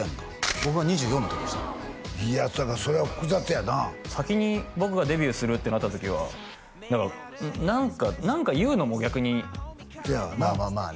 僕は２４の時でしたいやせやからそれは複雑やな先に僕がデビューするってなった時は何か何か言うのも逆にそうやわなまあね